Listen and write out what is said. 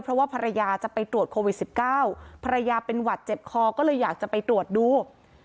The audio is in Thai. เพราะว่าภรรยาจะไปตรวจโควิด๑๙ภรรยาเป็นหวัดเจ็บคอก็เลยอยากจะไปตรวจดู